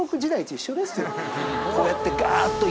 こうやってガーッと。